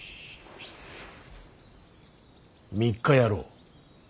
３日やろう。